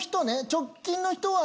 直近の人は。